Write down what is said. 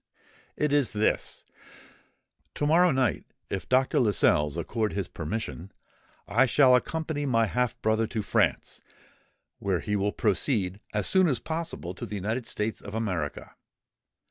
It is this: To morrow night, if Dr. Lascelles accord his permission, I shall accompany my half brother to France, whence he will proceed as soon as possible to the United States of America.